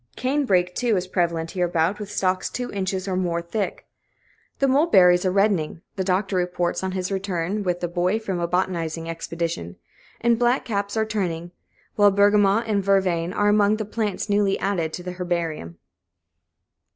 Cane brake, too, is prevalent hereabout, with stalks two inches or more thick. The mulberries are reddening, the Doctor reports on his return with the Boy from a botanizing expedition, and black caps are turning; while bergamot and vervain are among the plants newly added to the herbarium.